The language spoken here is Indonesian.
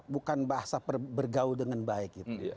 bukan bahasa bergaul dengan baik